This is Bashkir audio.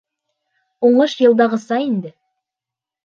Уңыш йылдағыса инде.